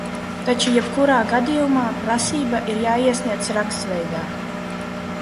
Taču jebkurā gadījumā prasība ir jāiesniedz rakstveidā.